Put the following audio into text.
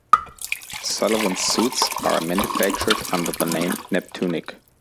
Sullivan's suits are manufactured under the name "Neptunic".